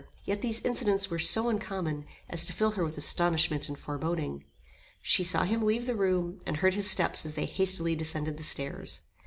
Yet these incidents were so uncommon, as to fill her with astonishment and foreboding. She saw him leave the room, and heard his steps as they hastily descended the stairs.